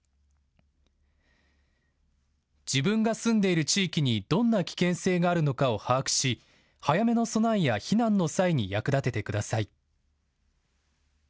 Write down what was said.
自分が住んでいる地域にどんな危険性があるのかを把握し早めの備えや避難の際に役立ててください。